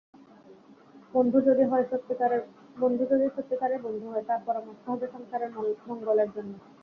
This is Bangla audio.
বন্ধু যদি সত্যিকারের বন্ধু হয়, তার পরামর্শ হবে সংসারের মঙ্গলের জন্য।